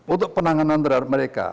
untuk penanganan terhadap mereka